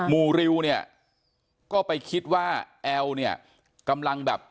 หมู่ริวเนี่ยก็ไปคิดว่าแอลเนี่ยกำลังแบบ